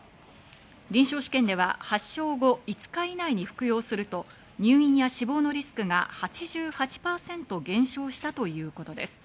臨床試験では発症後５日以内に服用すると入院や死亡のリスクが８８％減少したということです。